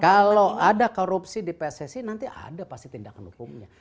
kalau ada korupsi di pssi nanti ada pasti tindakan hukumnya